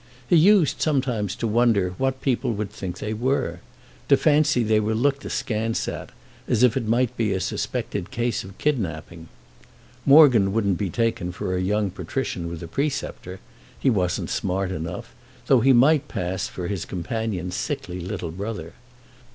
He used sometimes to wonder what people would think they were—to fancy they were looked askance at, as if it might be a suspected case of kidnapping. Morgan wouldn't be taken for a young patrician with a preceptor—he wasn't smart enough; though he might pass for his companion's sickly little brother.